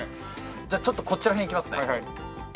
じゃあちょっとこっちら辺いきますね。